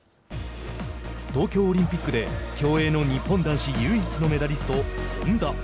東京オリンピックで競泳の日本男子唯一のメダリスト本多。